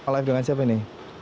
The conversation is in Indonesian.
live dengan siapa ini